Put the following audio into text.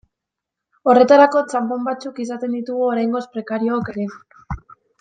Horretarako txanpon batzuk izaten ditugu oraingoz prekariook ere.